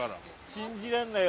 信じらんないよ